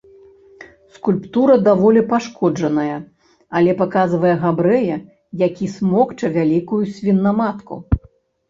Скульптура даволі пашкоджаная, але паказвае габрэя, які смокча вялікую свінаматку.